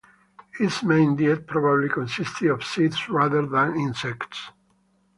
Its main diet probably consisted of seeds rather than insects.